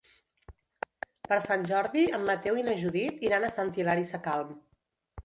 Per Sant Jordi en Mateu i na Judit iran a Sant Hilari Sacalm.